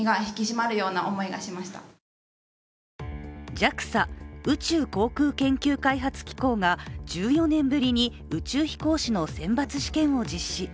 ＪＡＸＡ＝宇宙航空研究開発機構が１４年ぶりに宇宙飛行士の選抜試験を実施。